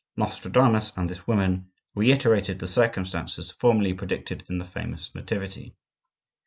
Nostradamus and this woman reiterated the circumstances formerly predicted in the famous nativity.